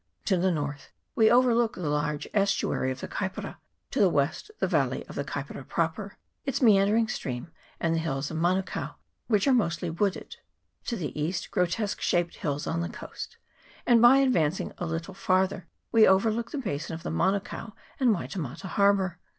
To the north we overlook the large estuary of the Kaipara ; to the west the valley of the Kaipara proper, its meandering stream, and the hills of Manukao, which are mostly wooded ; to the east grotesque shaped hills on the coast ; and by advancing a little farther we overlook the basin of the Manukao and Waitemata harbour.